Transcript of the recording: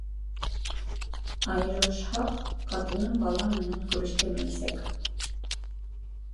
Айырылышһаҡ, ҡатыным балам менән күрештермәйәсәк.